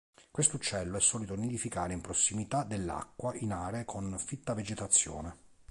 Questo uccello è solito nidificare in prossimità dell'acqua, in aree con fitta vegetazione.